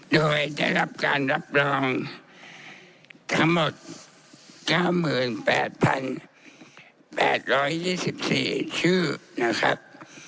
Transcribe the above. โดยได้รับการรับรองทั้งหมด๙๘๘๒๔ชื่อนะครับ